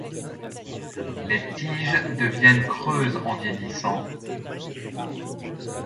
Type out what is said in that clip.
Les tiges deviennent creuses en vieillissant.